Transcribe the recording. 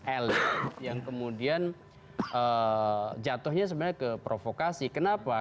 elite yang kemudian jatuhnya ke provokasi kenapa